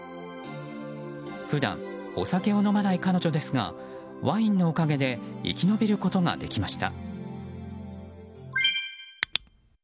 普段、お酒を飲まない彼女ですがワインのおかげで生き延びることができました。